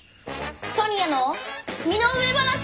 ソニアの身の上話！